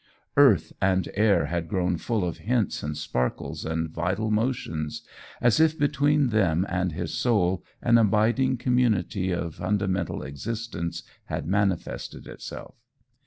Earth and air had grown full of hints and sparkles and vital motions, as if between them and his soul an abiding community of fundamental existence had manifested itself.